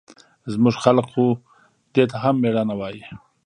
زموږ خلق خو دې ته هم مېړانه وايي.